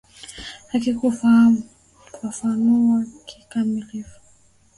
haikufafanua kikamilifu utegemezi bali aliendelea kwa kubainisha